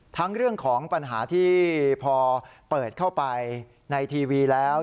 ทั้งเรื่องของปัญหาที่พอเปิดเข้าไปในทีวีแล้ว